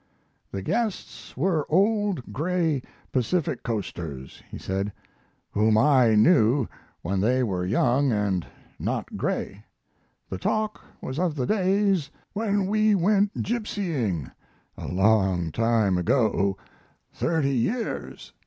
"The guests were old gray Pacific coasters," he said, "whom I knew when they were young and not gray. The talk was of the days when we went gipsying along time ago thirty years."